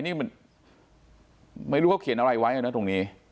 อย่างไรไม่รู้ครับเขียนอะไรไว้นะตรงนี้